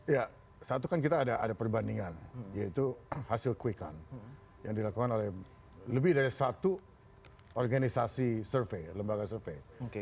ya satu kan kita ada perbandingan yaitu hasil quick count yang dilakukan oleh lebih dari satu organisasi survei lembaga survei